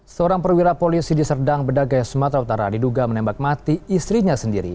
seorang perwira polisi di serdang bedagai sumatera utara diduga menembak mati istrinya sendiri